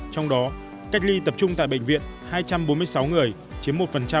trong đó cách ly tập trung tại bệnh viện hai trăm bốn mươi sáu người chiếm một